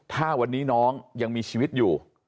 ถ้าวันนี้น้องยังมีชีวิตอยู่